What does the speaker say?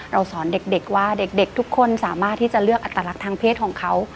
สอนเด็กว่าเด็กทุกคนสามารถที่จะเลือกอัตลักษณ์ทางเพศของเขา